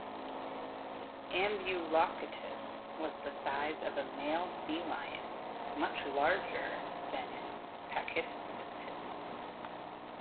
"Ambulocetus" was the size of a male sea lion, much larger than "Pakicetus".